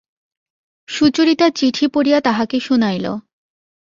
সুচরিতা চিঠি পড়িয়া তাঁহাকে শুনাইল।